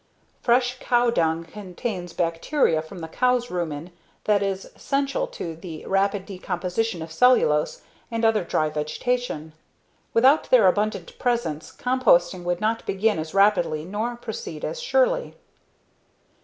Fresh cow dung contains bacteria from the cow's rumen that is essential to the rapid decomposition of cellulose and other dry vegetation. Without their abundant presence composting would not begin as rapidly nor proceed as surely.